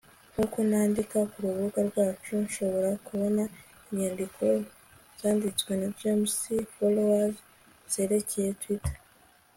Nkuko nandika kurubuga rwacu nshobora kubona inyandiko zanditswe na James Fallows zerekeye Twitter